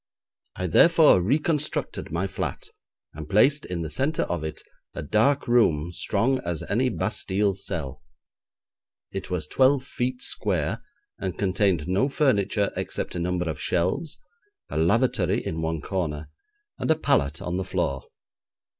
I therefore reconstructed my flat, and placed in the centre of it a dark room strong as any Bastille cell. It was twelve feet square, and contained no furniture except a number of shelves, a lavatory in one corner, and a pallet on the floor.